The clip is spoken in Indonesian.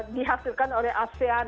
dihasilkan oleh asean